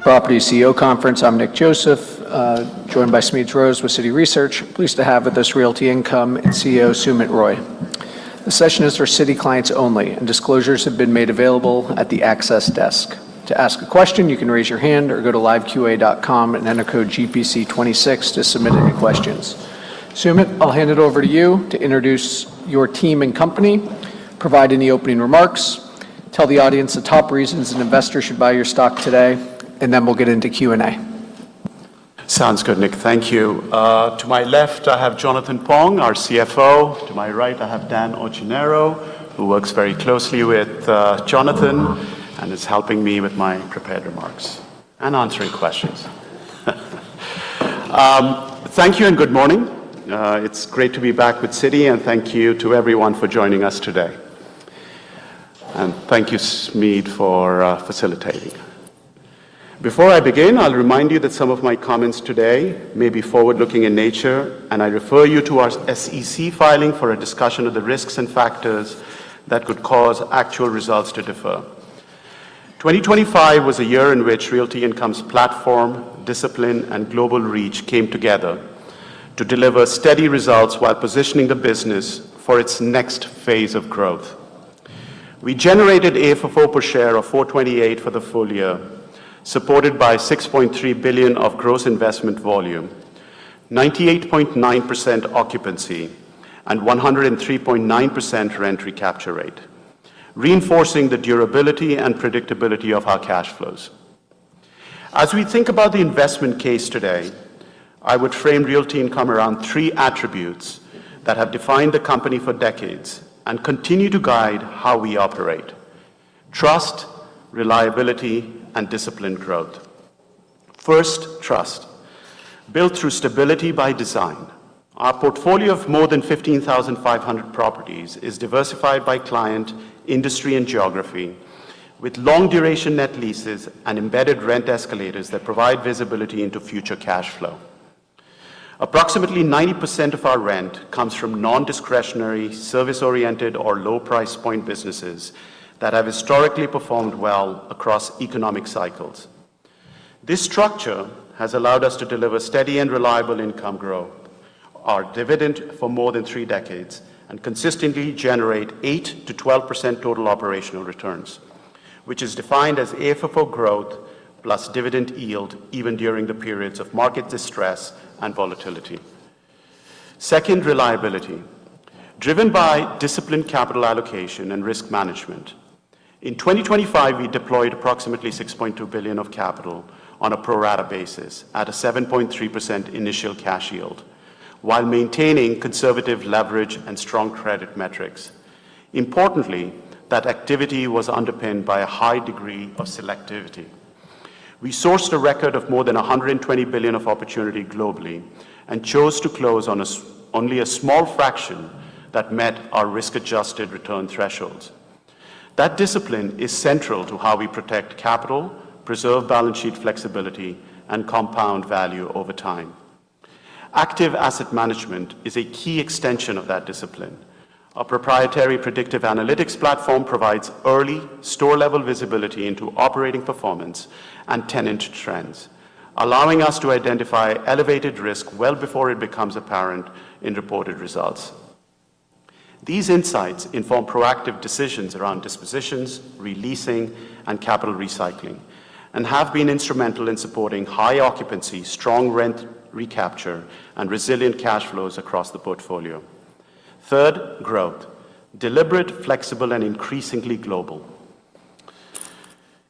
Property CEO conference. I'm Nick Joseph, joined by Smedes Rose with Citi Research. Pleased to have with us Realty Income and CEO Sumit Roy. This session is for Citi clients only. Disclosures have been made available at the access desk. To ask a question, you can raise your hand or go to liveqa.com and enter code GPC26 to submit any questions. Sumit, I'll hand it over to you to introduce your team and company, provide any opening remarks, tell the audience the top reasons an investor should buy your stock today. We'll get into Q&A. Sounds good, Nick. Thank you. To my left, I have Jonathan Pong, our CFO. To my right, I have Dan O'Connor, who works very closely with Jonathan and is helping me with my prepared remarks and answering questions. Thank you and good morning. It's great to be back with Citi, and thank you to everyone for joining us today. Thank you, Smeed, for facilitating. Before I begin, I'll remind you that some of my comments today may be forward-looking in nature, and I refer you to our SEC filing for a discussion of the risks and factors that could cause actual results to differ. 2025 was a year in which Realty Income's platform, discipline, and global reach came together to deliver steady results while positioning the business for its next phase of growth. We generated AFFO per share of $4.28 for the full year, supported by $6.3 billion of gross investment volume, 98.9% occupancy, and 103.9% rent recapture rate, reinforcing the durability and predictability of our cash flows. We think about the investment case today, I would frame Realty Income around three attributes that have defined the company for decades and continue to guide how we operate: trust, reliability, and disciplined growth. First, trust. Built through stability by design, our portfolio of more than 15,500 properties is diversified by client, industry, and geography, with long-duration net leases and embedded rent escalators that provide visibility into future cash flow. Approximately 90% of our rent comes from non-discretionary, service-oriented, or low price point businesses that have historically performed well across economic cycles. This structure has allowed us to deliver steady and reliable income growth, our dividend for more than three decades, and consistently generate 8%-12% total operational returns, which is defined as AFFO growth plus dividend yield even during the periods of market distress and volatility. Second, reliability. Driven by disciplined capital allocation and risk management. In 2025, we deployed approximately $6.2 billion of capital on a pro rata basis at a 7.3% initial cash yield while maintaining conservative leverage and strong credit metrics. Importantly, that activity was underpinned by a high degree of selectivity. We sourced a record of more than $120 billion of opportunity globally and chose to close on only a small fraction that met our risk-adjusted return thresholds. That discipline is central to how we protect capital, preserve balance sheet flexibility, and compound value over time. Active asset management is a key extension of that discipline. Our proprietary predictive analytics platform provides early store-level visibility into operating performance and tenant trends, allowing us to identify elevated risk well before it becomes apparent in reported results. These insights inform proactive decisions around dispositions, re-leasing, and capital recycling and have been instrumental in supporting high occupancy, strong rent recapture, and resilient cash flows across the portfolio. Third, growth. Deliberate, flexible, and increasingly global.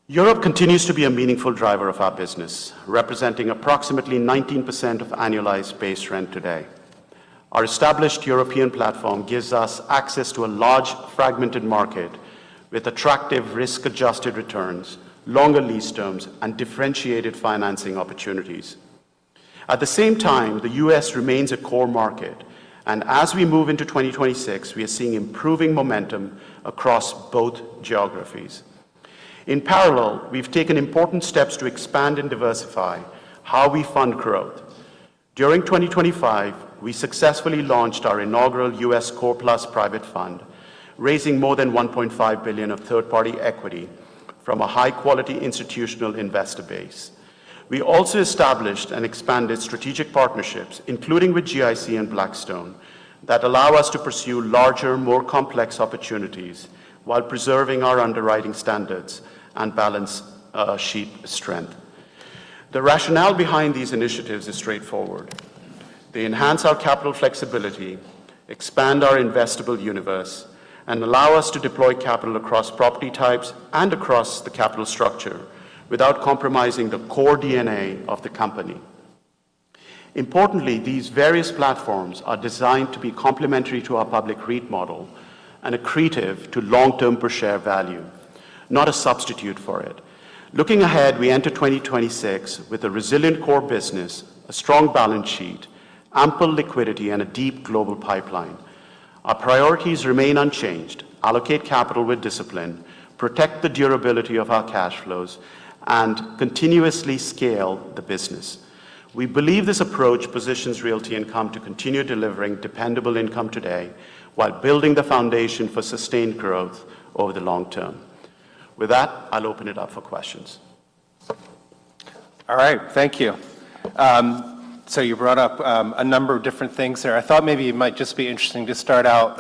Europe continues to be a meaningful driver of our business, representing approximately 19% of annualized base rent today. Our established European platform gives us access to a large, fragmented market with attractive risk-adjusted returns, longer lease terms, and differentiated financing opportunities. At the same time, the U.S. remains a core market. As we move into 2026, we are seeing improving momentum across both geographies. In parallel, we've taken important steps to expand and diversify how we fund growth. During 2025, we successfully launched our inaugural U.S. Core Plus private fund, raising more than $1.5 billion of third-party equity from a high-quality institutional investor base. We also established and expanded strategic partnerships, including with GIC and Blackstone, that allow us to pursue larger, more complex opportunities while preserving our underwriting standards and balance sheet strength. The rationale behind these initiatives is straightforward. They enhance our capital flexibility, expand our investable universe, and allow us to deploy capital across property types and across the capital structure without compromising the core DNA of the company. Importantly, these various platforms are designed to be complementary to our public REIT model and accretive to long-term per-share value, not a substitute for it. Looking ahead, we enter 2026 with a resilient core business, a strong balance sheet, ample liquidity, and a deep global pipeline. Our priorities remain unchanged: allocate capital with discipline, protect the durability of our cash flows, and continuously scale the business. We believe this approach positions Realty Income to continue delivering dependable income today while building the foundation for sustained growth over the long term. With that, I'll open it up for questions. All right, thank you. You brought up a number of different things there. I thought maybe it might just be interesting to start out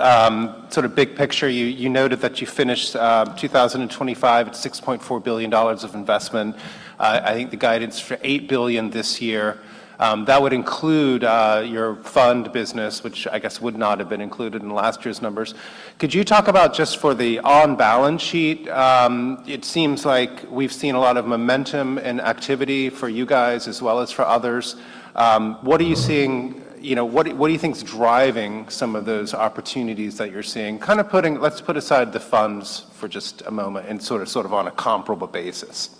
sort of big picture. You noted that you finished 2025 at $6.4 billion of investment. I think the guidance for $8 billion this year that would include your fund business, which I guess would not have been included in last year's numbers. Could you talk about just for the on-balance sheet? It seems like we've seen a lot of momentum and activity for you guys as well as for others. You know, what do you think is driving some of those opportunities that you're seeing? Let's put aside the funds for just a moment and sort of on a comparable basis.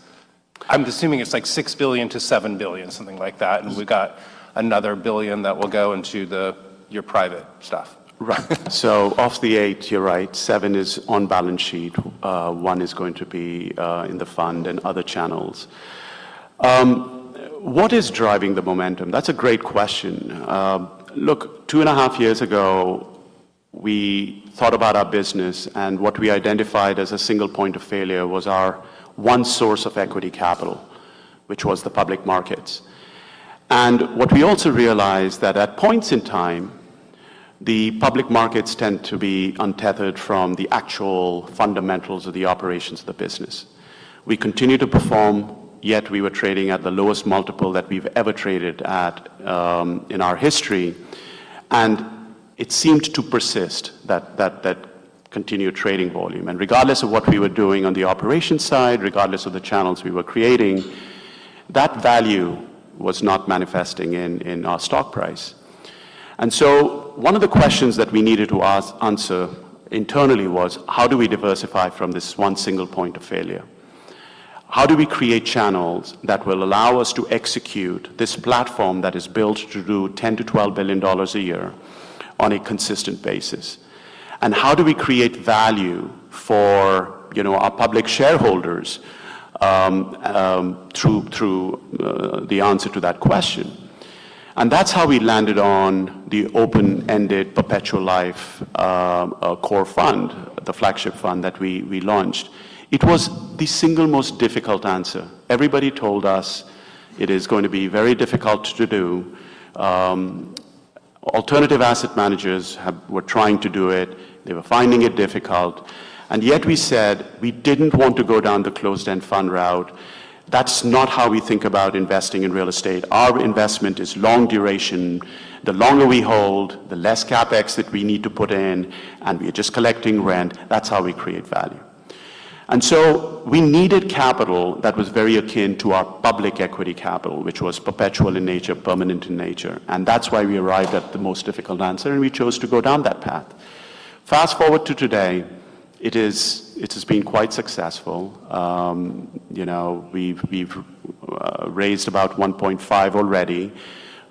I'm assuming it's like $6 billion-$7 billion, something like that. We've got another $1 billion that will go into the, your private stuff. Of the eight, you're right, seven is on balance sheet. one is going to be in the fund and other channels. What is driving the momentum? That's a great question. Look, two and a half years ago, we thought about our business, what we identified as a single point of failure was our one source of equity capital, which was the public markets. What we also realized that at points in time, the public markets tend to be untethered from the actual fundamentals of the operations of the business. We continued to perform, yet we were trading at the lowest multiple that we've ever traded at in our history, and it seemed to persist that continued trading volume. Regardless of what we were doing on the operations side, regardless of the channels we were creating, that value was not manifesting in our stock price. One of the questions that we needed to answer internally was: How do we diversify from this one single point of failure? How do we create channels that will allow us to execute this platform that is built to do $10 billion-$12 billion a year on a consistent basis? How do we create value for, you know, our public shareholders through the answer to that question? That's how we landed on the open-ended perpetual life core fund, the flagship fund that we launched. It was the single most difficult answer. Everybody told us it is going to be very difficult to do. Alternative asset managers were trying to do it. They were finding it difficult. Yet we said we didn't want to go down the closed-end fund route. That's not how we think about investing in real estate. Our investment is long duration. The longer we hold, the less CapEx that we need to put in, and we're just collecting rent. That's how we create value. So we needed capital that was very akin to our public equity capital, which was perpetual in nature, permanent in nature. That's why we arrived at the most difficult answer, and we chose to go down that path. Fast-forward to today, it has been quite successful. You know, we've raised about $1.5 already.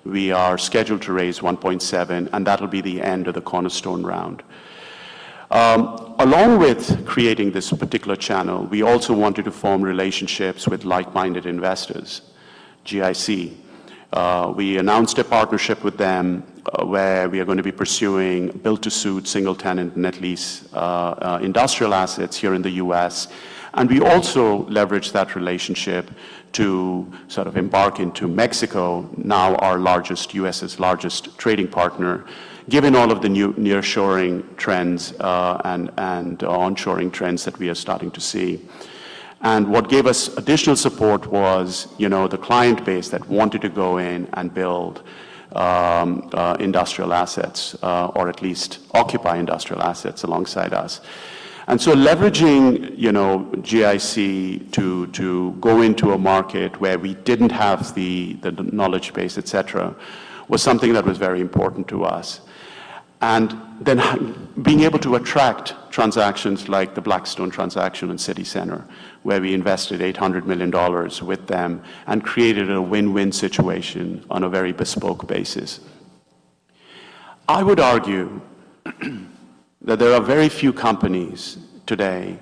We are scheduled to raise $1.7. That'll be the end of the cornerstone round. Along with creating this particular channel, we also wanted to form relationships with like-minded investors. GIC, we announced a partnership with them where we are gonna be pursuing build-to-suit, single-tenant, net lease industrial assets here in the U.S., and we also leveraged that relationship to sort of embark into Mexico, now our largest, U.S.'s largest trading partner, given all of the new nearshoring trends and onshoring trends that we are starting to see. What gave us additional support was, you know, the client base that wanted to go in and build industrial assets, or at least occupy industrial assets alongside us. Leveraging, you know, GIC to go into a market where we didn't have the knowledge base, et cetera, was something that was very important to us and then being able to attract transactions like the Blackstone transaction in CityCenter, where we invested $800 million with them and created a win-win situation on a very bespoke basis. I would argue that there are very few companies today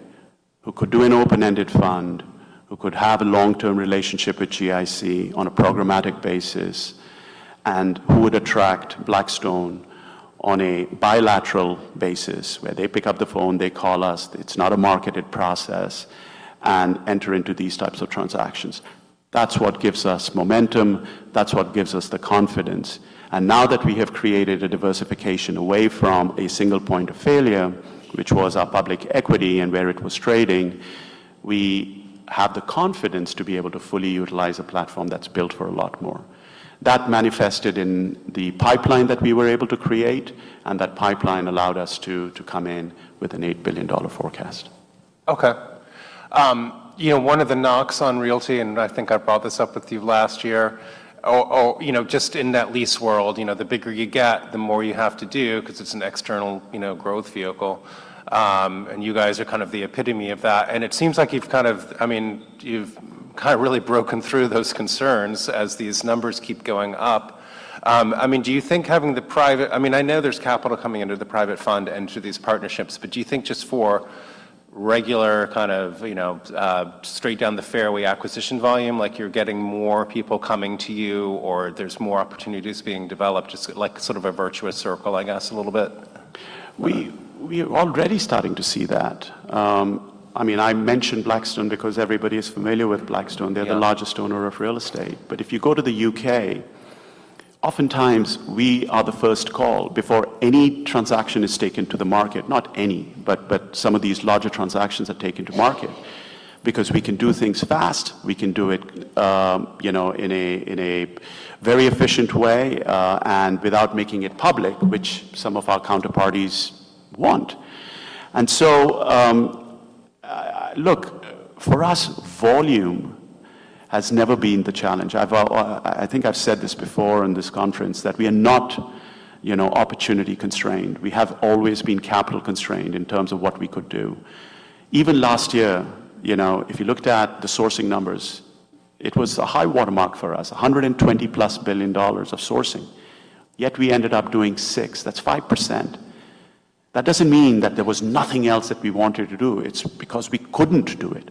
who could do an open-ended fund, who could have a long-term relationship with GIC on a programmatic basis, and who would attract Blackstone on a bilateral basis where they pick up the phone, they call us, it's not a marketed process, and enter into these types of transactions. That's what gives us momentum. That's what gives us the confidence. Now that we have created a diversification away from a single point of failure, which was our public equity and where it was trading, we have the confidence to be able to fully utilize a platform that's built for a lot more. That manifested in the pipeline that we were able to create, and that pipeline allowed us to come in with an $8 billion forecast. Okay. You know, one of the knocks on Realty Income, and I think I brought this up with you last year, or, you know, just in net lease world, you know, the bigger you get, the more you have to do because it's an external, you know, growth vehicle, and you guys are kind of the epitome of that. It seems like you've kind of, I mean, you've kind of really broken through those concerns as these numbers keep going up. I mean, do you think having the private... I mean, I know there's capital coming under the private fund and through these partnerships, but do you think just for regular kind of, you know, straight down the fairway acquisition volume, like you're getting more people coming to you or there's more opportunities being developed, just like sort of a virtuous circle, I guess, a little bit? We are already starting to see that. I mean, I mentioned Blackstone because everybody is familiar with Blackstone. Yeah. They're the largest owner of real estate. If you go to the U.K., oftentimes we are the first call before any transaction is taken to the market. Not any, but some of these larger transactions are taken to market because we can do things fast. We can do it, you know, in a very efficient way, and without making it public, which some of our counterparties want. Look, for us, volume has never been the challenge. I've, I think I've said this before in this conference that we are not, you know, opportunity constrained. We have always been capital constrained in terms of what we could do. Even last year, you know, if you looked at the sourcing numbers, it was a high watermark for us, $120+ billion of sourcing, yet we ended up doing six. That's 5%. That doesn't mean that there was nothing else that we wanted to do. It's because we couldn't do it.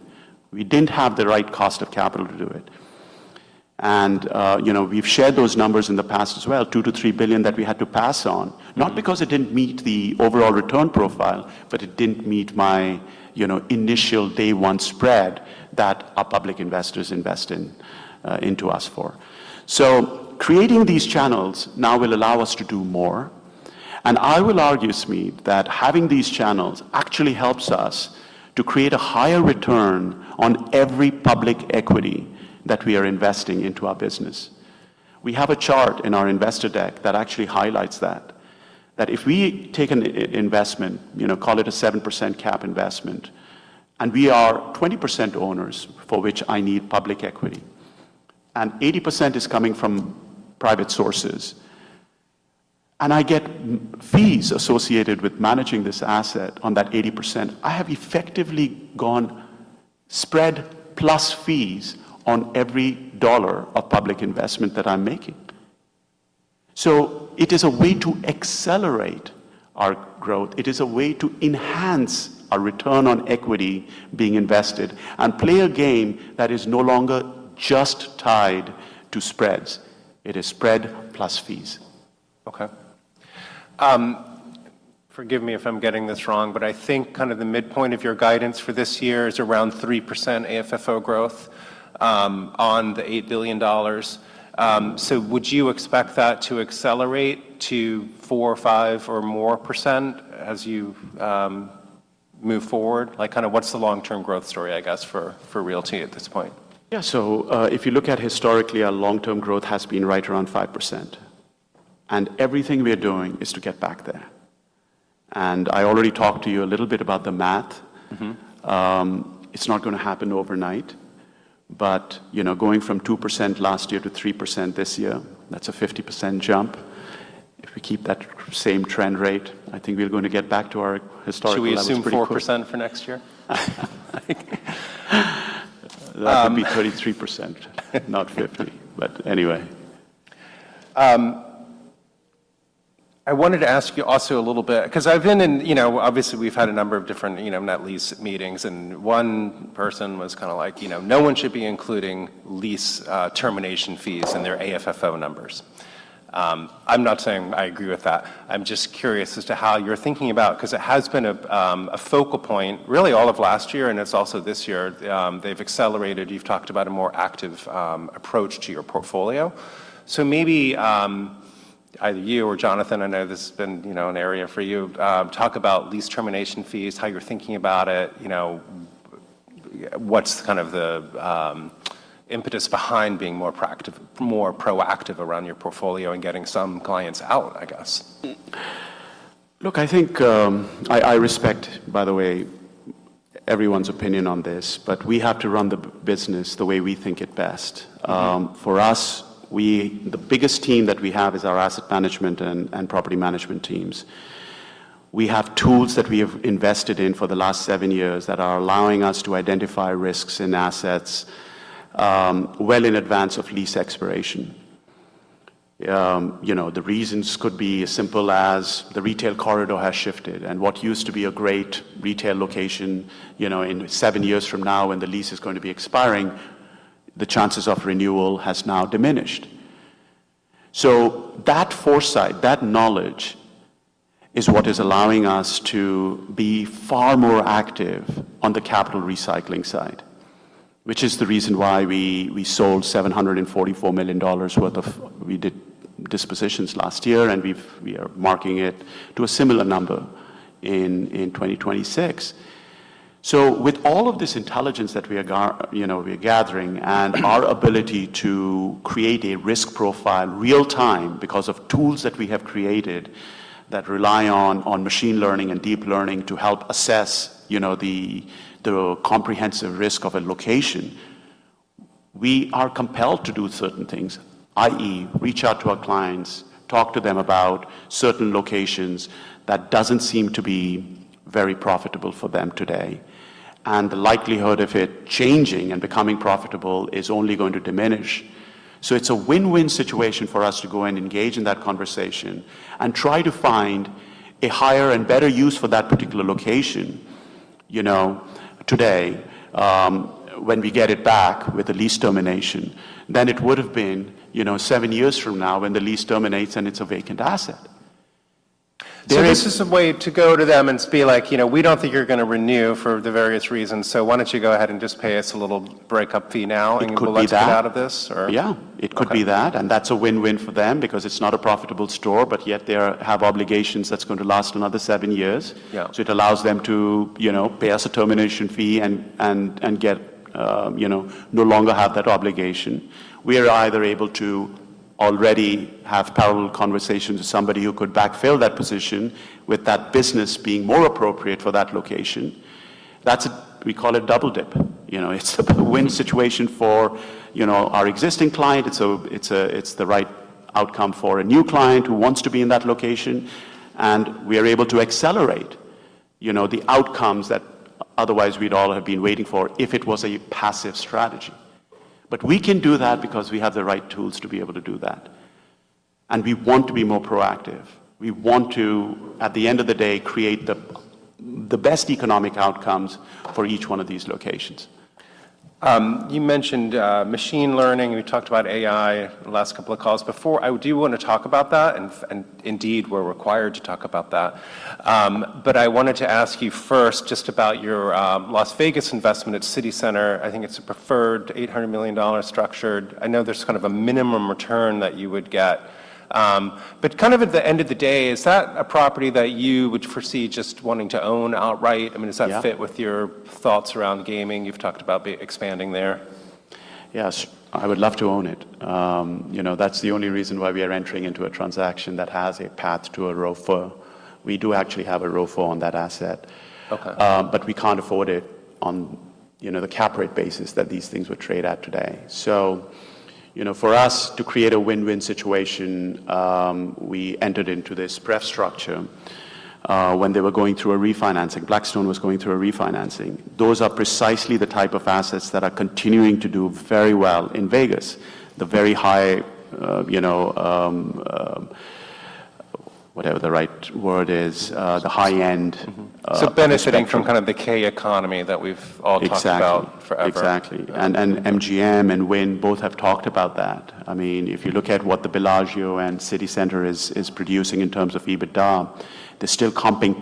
We didn't have the right cost of capital to do it. you know, we've shared those numbers in the past as well, $2 billion-$3 billion that we had to pass on, not because it didn't meet the overall return profile, but it didn't meet my, you know, initial day one spread that our public investors invest in, into us for. Creating these channels now will allow us to do more, and I will argue, Smedes, that having these channels actually helps us to create a higher return on every public equity that we are investing into our business. We have a chart in our investor deck that actually highlights that. That if we take an investment, you know, call it a 7% cap investment, and we are 20% owners for which I need public equity, and 80% is coming from private sources, and I get fees associated with managing this asset on that 80%, I have effectively gone spread plus fees on every dollar of public investment that I'm making. It is a way to accelerate our growth. It is a way to enhance our return on equity being invested and play a game that is no longer just tied to spreads. It is spread plus fees. Okay. Forgive me if I'm getting this wrong, but I think kind of the midpoint of your guidance for this year is around 3% AFFO growth, on the $8 billion. Would you expect that to accelerate to 4% or 5% or more as you move forward? Like, kind of what's the long-term growth story, I guess, for Realty at this point? Yeah. If you look at historically, our long-term growth has been right around 5%, and everything we are doing is to get back there. I already talked to you a little bit about the math. Mm-hmm. It's not gonna happen overnight, but, you know, going from 2% last year to 3% this year, that's a 50% jump. If we keep that same trend rate, I think we're going to get back to our historical. Should we assume 4% for next year? That would be 33%, not 50. Anyway. I wanted to ask you also a little bit, 'cause I've been in, you know, obviously we've had a number of different, you know, net lease meetings, and one person was kinda like, you know, "No one should be including lease termination fees in their AFFO numbers." I'm not saying I agree with that. I'm just curious as to how you're thinking about, 'cause it has been a focal point really all of last year, and it's also this year. They've accelerated. You've talked about a more active approach to your portfolio. Maybe, either you or Jonathan, I know this has been, you know, an area for you, talk about lease termination fees, how you're thinking about it. You know, what's kind of the impetus behind being more proactive around your portfolio and getting some clients out, I guess? Look, I think, I respect, by the way, everyone's opinion on this, but we have to run the business the way we think it best. Mm-hmm. For us, the biggest team that we have is our asset management and property management teams. We have tools that we have invested in for the last seven years that are allowing us to identify risks in assets, well in advance of lease expiration. You know, the reasons could be as simple as the retail corridor has shifted, and what used to be a great retail location, you know, in seven years from now when the lease is going to be expiring, the chances of renewal has now diminished. That foresight, that knowledge, is what is allowing us to be far more active on the capital recycling side, which is the reason why we sold $744 million worth of. We did dispositions last year, and we are marking it to a similar number in 2026. With all of this intelligence that we are, you know, gathering and our ability to create a risk profile real-time because of tools that we have created that rely on machine learning and deep learning to help assess, you know, the comprehensive risk of a location, we are compelled to do certain things, i.e., reach out to our clients, talk to them about certain locations that doesn't seem to be very profitable for them today. The likelihood of it changing and becoming profitable is only going to diminish. It's a win-win situation for us to go and engage in that conversation and try to find a higher and better use for that particular location, you know, today, when we get it back with the lease termination than it would have been, you know, seven years from now when the lease terminates and it's a vacant asset. This is a way to go to them and just be like, "You know, we don't think you're gonna renew for the various reasons, so why don't you go ahead and just pay us a little breakup fee now and we'll exit out of this? It could be that. Yeah. Okay. It could be that, and that's a win-win for them because it's not a profitable store, but yet they are, have obligations that's going to last another seven years. Yeah. It allows them to, you know, pay us a termination fee and get, you know, no longer have that obligation. We are either able to already have parallel conversations with somebody who could backfill that position with that business being more appropriate for that location. We call it double dip, you know? It's a win situation for, you know, our existing client. It's the right outcome for a new client who wants to be in that location, and we are able to accelerate, you know, the outcomes that otherwise we'd all have been waiting for if it was a passive strategy. We can do that because we have the right tools to be able to do that, and we want to be more proactive. We want to, at the end of the day, create the best economic outcomes for each one of these locations. You mentioned machine learning, we talked about AI the last couple of calls. I do wanna talk about that and indeed we're required to talk about that. I wanted to ask you first just about your Las Vegas investment at CityCenter. I think it's a preferred $800 million structured. I know there's kind of a minimum return that you would get. Kind of at the end of the day, is that a property that you would foresee just wanting to own outright? I mean. Yeah... fit with your thoughts around gaming? You've talked about expanding there. Yes. I would love to own it. You know, that's the only reason why we are entering into a transaction that has a path to a ROFO. We do actually have a ROFO on that asset. Okay. We can't afford it on, you know, the cap rate basis that these things would trade at today. You know, for us to create a win-win situation, we entered into this pref structure, when they were going through a refinancing. Blackstone was going through a refinancing. Those are precisely the type of assets that are continuing to do very well in Vegas. The very high, you know, whatever the right word is, the high-end- Mm-hmm... spectrum. Benefiting from kind of the K economy that we've all talked about. Exactly... forever. Exactly. MGM and Wynn both have talked about that. I mean, if you look at what the Bellagio and CityCenter is producing in terms of EBITDA, they're still comping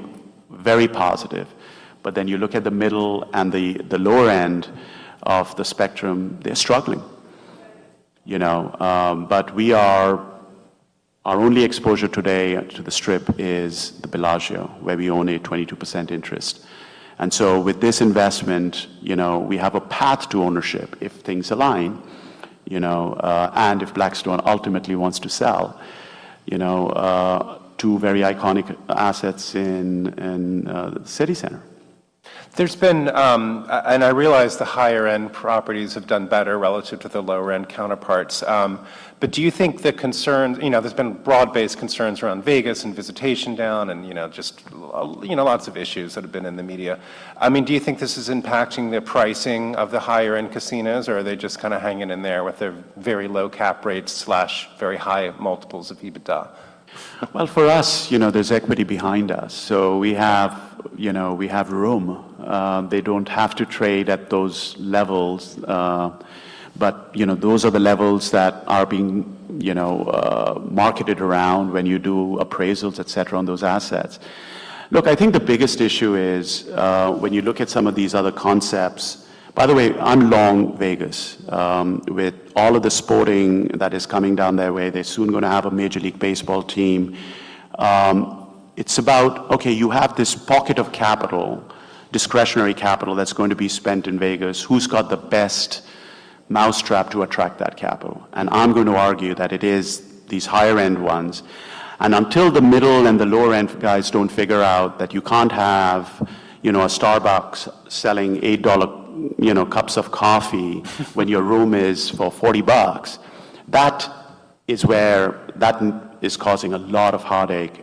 very positive. You look at the middle and the lower end of the spectrum, they're struggling, you know? Our only exposure today to the Strip is the Bellagio, where we own a 22% interest. With this investment, you know, we have a path to ownership if things align, you know, and if Blackstone ultimately wants to sell, you know, two very iconic assets in CityCenter. There's been, and I realize the higher-end properties have done better relative to the lower-end counterparts. Do you think the concerns, you know, there's been broad-based concerns around Vegas and visitation down and, you know, just you know, lots of issues that have been in the media. I mean, do you think this is impacting the pricing of the higher-end casinos or are they just kinda hanging in there with their very low cap rates slash very high multiples of EBITDA? Well, for us, you know, there's equity behind us, so we have, you know, we have room. They don't have to trade at those levels. Those are the levels that are being, you know, marketed around when you do appraisals, et cetera, on those assets. Look, I think the biggest issue is when you look at some of these other concepts. By the way, I'm long Vegas, with all of the sporting that is coming down their way. They're soon gonna have a Major League Baseball team. It's about, okay, you have this pocket of capital, discretionary capital, that's going to be spent in Vegas. Who's got the best mousetrap to attract that capital? I'm going to argue that it is these higher-end ones, and until the middle and the lower-end guys don't figure out that you can't have, you know, a Starbucks selling $8, you know, cups of coffee when your room is for $40, that is causing a lot of heartache.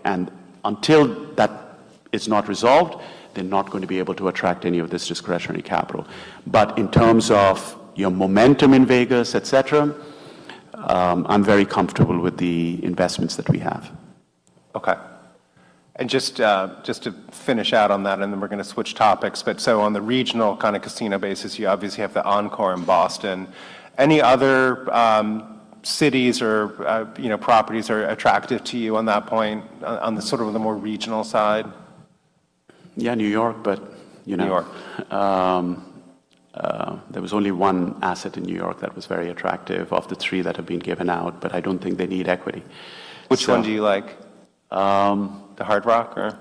Until that is not resolved, they're not going to be able to attract any of this discretionary capital. In terms of your momentum in Vegas, et cetera, I'm very comfortable with the investments that we have. Okay. Just to finish out on that and then we're gonna switch topics. On the regional kinda casino basis, you obviously have the Encore in Boston. Any other, cities or, you know, properties are attractive to you on that point on the more regional side? Yeah, New York, but, you know. New York. There was only one asset in New York that was very attractive of the three that have been given out, but I don't think they need equity. Which one do you like? Um- The Hard Rock or-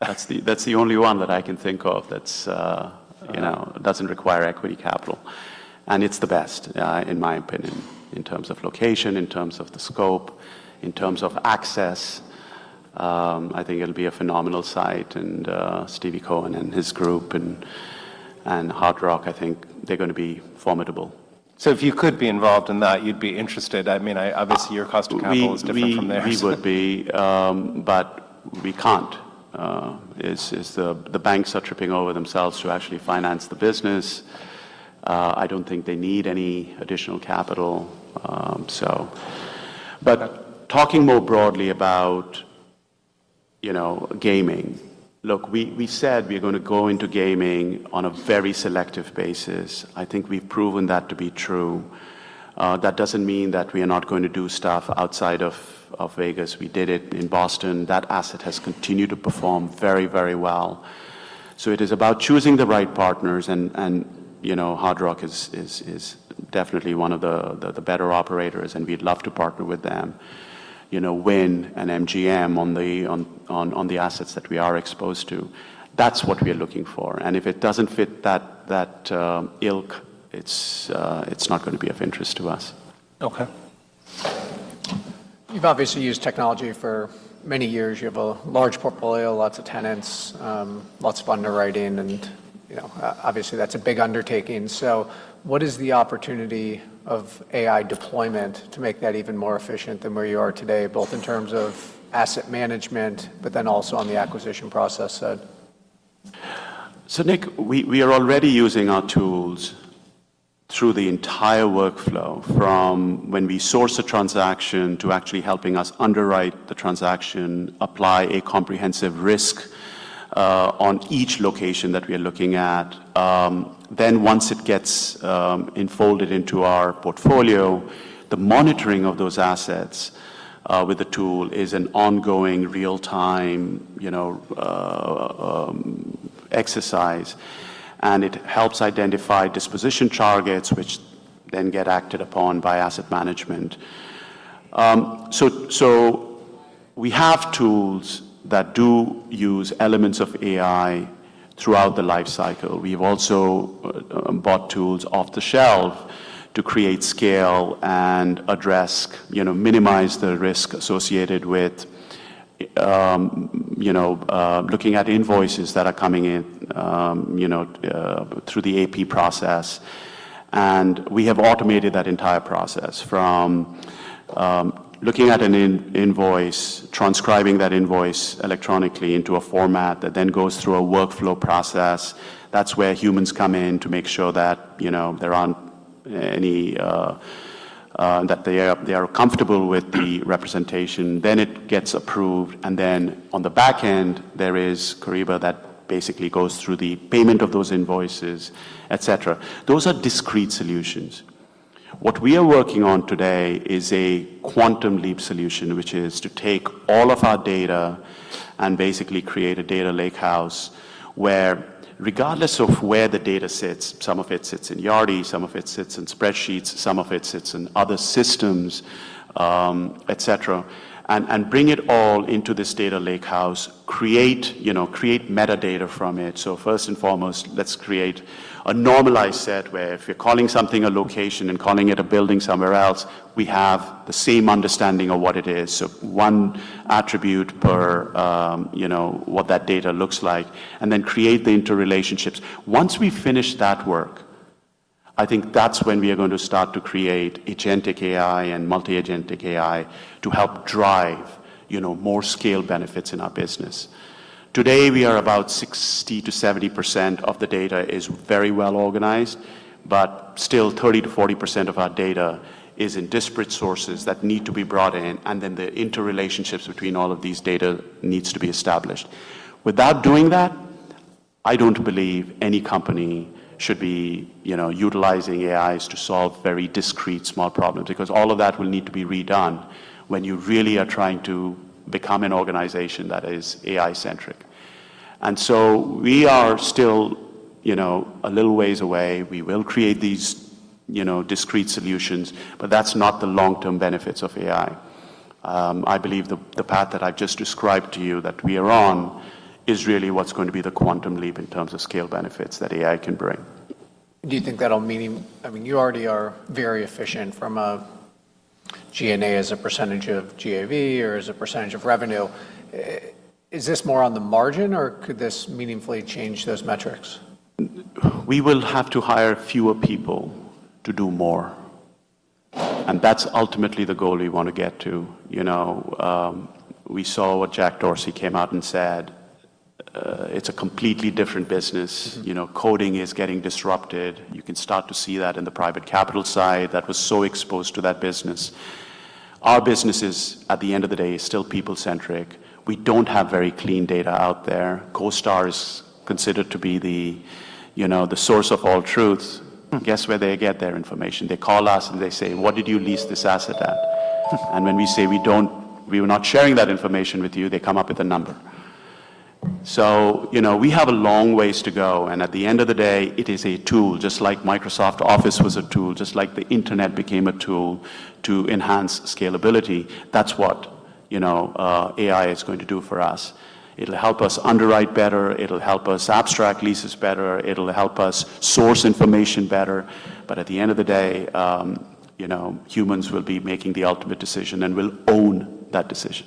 That's the only one that I can think of that's, you know, doesn't require equity capital, and it's the best, in my opinion, in terms of location, in terms of the scope, in terms of access. I think it'll be a phenomenal site, and Stevie Cohen and his group and Hard Rock, I think they're gonna be formidable. If you could be involved in that, you'd be interested? I mean, obviously, your cost of capital is different from theirs. We would be, but we can't. It's the banks are tripping over themselves to actually finance the business. I don't think they need any additional capital. Talking more broadly about, you know, gaming. Look, we said we're gonna go into gaming on a very selective basis. I think we've proven that to be true. That doesn't mean that we are not going to do stuff outside of Vegas. We did it in Boston. That asset has continued to perform very well. It is about choosing the right partners and, you know, Hard Rock is definitely one of the better operators, and we'd love to partner with them. You know, Wynn and MGM on the assets that we are exposed to, that's what we are looking for. If it doesn't fit that ilk, it's not gonna be of interest to us. You've obviously used technology for many years. You have a large portfolio, lots of tenants, lots of underwriting and, you know, obviously, that's a big undertaking. What is the opportunity of AI deployment to make that even more efficient than where you are today, both in terms of asset management, but then also on the acquisition process side? Nick, we are already using our tools through the entire workflow, from when we source a transaction to actually helping us underwrite the transaction, apply a comprehensive risk on each location that we are looking at. Then once it gets enfolded into our portfolio, the monitoring of those assets with the tool is an ongoing real-time, you know, exercise, and it helps identify disposition targets which then get acted upon by asset management. We have tools that do use elements of AI throughout the lifecycle. We've also bought tools off the shelf to create scale and address, you know, minimize the risk associated with, you know, looking at invoices that are coming in, you know, through the AP process. We have automated that entire process from looking at an in-invoice, transcribing that invoice electronically into a format that then goes through a workflow process. That's where humans come in to make sure that, you know, there aren't any that they are comfortable with the representation. It gets approved, and then on the back end, there is Kyriba that basically goes through the payment of those invoices, et cetera. Those are discrete solutions. What we are working on today is a quantum leap solution, which is to take all of our data and basically create a data lakehouse where regardless of where the data sits, some of it sits in Yardi, some of it sits in spreadsheets, some of it sits in other systems, et cetera, and bring it all into this data lakehouse, create, you know, create metadata from it. First and foremost, let's create a normalized set where if you're calling something a location and calling it a building somewhere else, we have the same understanding of what it is. One attribute per, you know, what that data looks like, and then create the interrelationships. Once we finish that work, I think that's when we are going to start to create agentic AI and multi-agent AI to help drive, you know, more scale benefits in our business. Today, we are about 60%-70% of the data is very well organized, but still 30%-40% of our data is in disparate sources that need to be brought in, and then the interrelationships between all of these data needs to be established. Without doing that, I don't believe any company should be, you know, utilizing AIs to solve very discrete, small problems, because all of that will need to be redone when you really are trying to become an organization that is AI-centric. We are still, you know, a little ways away. We will create these, you know, discrete solutions, but that's not the long-term benefits of AI. I believe the path that I've just described to you that we are on is really what's going to be the quantum leap in terms of scale benefits that AI can bring. Do you think that'll I mean, you already are very efficient from a G&A as a percentage of GAV or as a percentage of revenue. Is this more on the margin, or could this meaningfully change those metrics? We will have to hire fewer people to do more, that's ultimately the goal we wanna get to. You know, we saw what Jack Dorsey came out and said, it's a completely different business. You know, coding is getting disrupted. You can start to see that in the private capital side that was so exposed to that business. Our business is, at the end of the day, is still people-centric. We don't have very clean data out there. CoStar is considered to be the, you know, the source of all truth. Guess where they get their information? They call us and they say, "What did you lease this asset at?" When we say, "We are not sharing that information with you," they come up with a number. You know, we have a long ways to go, and at the end of the day, it is a tool, just like Microsoft Office was a tool, just like the internet became a tool to enhance scalability. That's what, you know, AI is going to do for us. It'll help us underwrite better, it'll help us abstract leases better, it'll help us source information better. At the end of the day, you know, humans will be making the ultimate decision and will own that decision.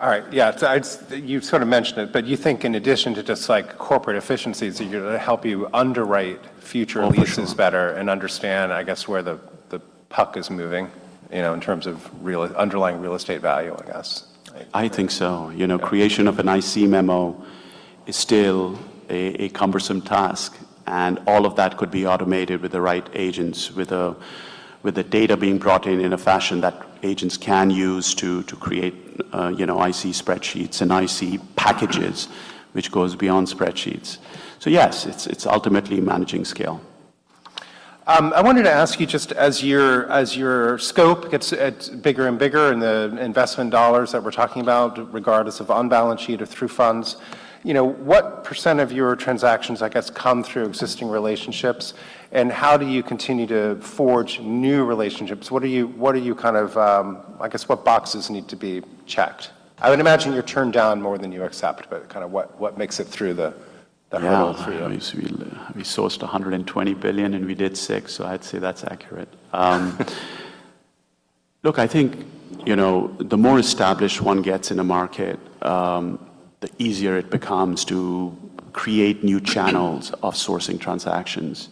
All right, yeah. You sort of mentioned it, but you think in addition to just, like, corporate efficiencies are gonna help you underwrite future leases? Oh, for sure.... better and understand, I guess, where the puck is moving, you know, in terms of underlying real estate value, I guess. I think so. You know- Yeah... creation of an IC memo is still a cumbersome task, and all of that could be automated with the right agents, with the data being brought in in a fashion that agents can use to create, you know, IC spreadsheets and IC packages, which goes beyond spreadsheets. Yes, it's ultimately managing scale. I wanted to ask you, just as your, as your scope gets bigger and bigger and the investment dollars that we're talking about, regardless of on-balance sheet or through funds, you know, what % of your transactions, I guess, come through existing relationships? How do you continue to forge new relationships? What are you, what are you kind of, I guess, what boxes need to be checked? I would imagine you're turned down more than you accept, but kinda what makes it through the hole? We sourced $120 billion, and we did 6, so I'd say that's accurate. Look, I think, you know, the more established one gets in a market, the easier it becomes to create new channels of sourcing transactions.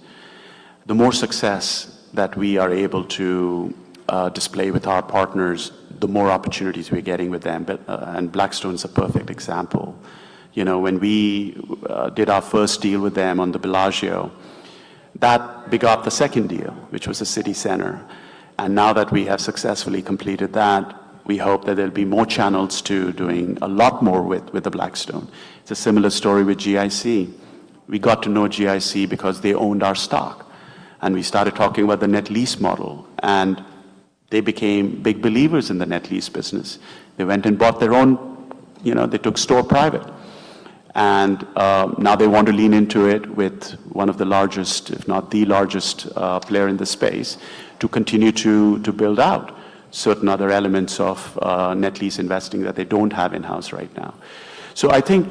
The more success that we are able to display with our partners, the more opportunities we're getting with them. Blackstone's a perfect example. You know, when we did our first deal with them on the Bellagio, that begot the second deal, which was the CityCenter. Now that we have successfully completed that, we hope that there'll be more channels to doing a lot more with Blackstone. It's a similar story with GIC. We got to know GIC because they owned our stock, and we started talking about the net lease model, and they became big believers in the net lease business. They went and bought their own, you know, they took take-private transaction. Now they want to lean into it with one of the largest, if not the largest, player in the space to continue to build out certain other elements of net lease investing that they don't have in-house right now. I think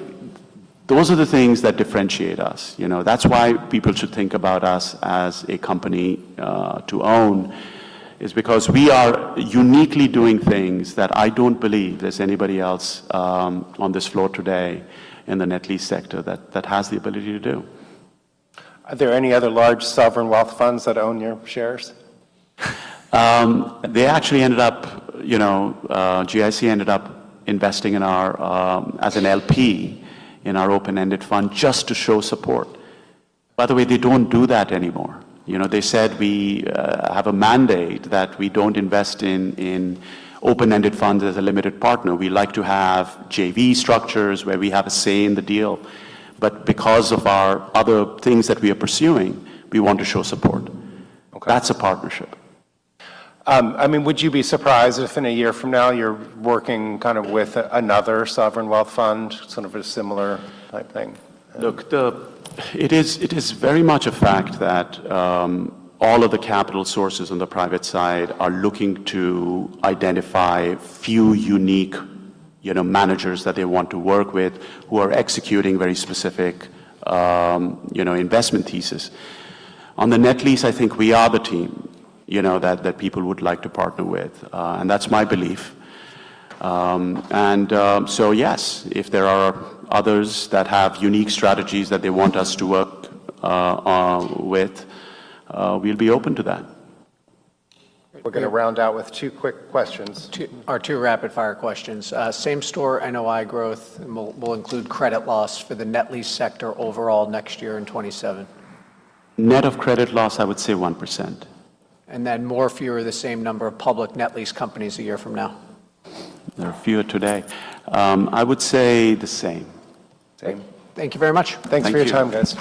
those are the things that differentiate us. You know, that's why people should think about us as a company to own, is because we are uniquely doing things that I don't believe there's anybody else on this floor today in the net lease sector that has the ability to do. Are there any other large sovereign wealth funds that own your shares? They actually ended up, you know, GIC ended up investing in our as an LP in our open-ended fund just to show support. They don't do that anymore. You know, they said, "We have a mandate that we don't invest in open-ended funds as a limited partner. We like to have JV structures where we have a say in the deal. Because of our other things that we are pursuing, we want to show support. Okay. That's a partnership. I mean, would you be surprised if in a year from now you're working kind of with another sovereign wealth fund, sort of a similar type thing? Look, It is very much a fact that all of the capital sources on the private side are looking to identify few unique, you know, managers that they want to work with who are executing very specific, you know, investment thesis. On the net lease, I think we are the team, you know, that people would like to partner with, and that's my belief. Yes, if there are others that have unique strategies that they want us to work with, we'll be open to that. We're gonna round out with two quick questions. 2 rapid-fire questions. Same store NOI growth will include credit loss for the net lease sector overall next year in 2027. Net of credit loss, I would say 1%. More, fewer, or the same number of public net lease companies a year from now? There are fewer today. I would say the same. Same. Thank you very much. Thank you. Thanks for your time, guys.